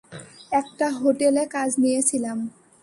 একটা হোটেলে কাজ নিয়েছিলাম।